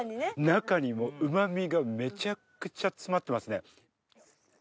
中にうま味がめちゃくちゃ詰まってますね。